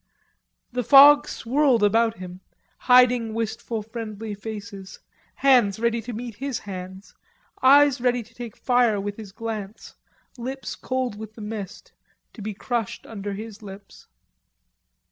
The fog swirled about him, hiding wistful friendly faces, hands ready to meet his hands, eyes ready to take fire with his glance, lips cold with the mist, to be crushed under his lips.